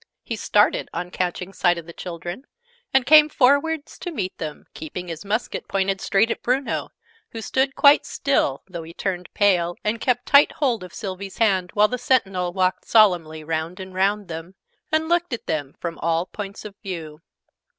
He started, on catching sight of the children, and came forwards to meet them, keeping his musket pointed straight at Bruno, who stood quite still, though he turned pale and kept tight hold of Sylvie's hand, while the Sentinel walked solemnly round and round them, and looked at them from all points of view.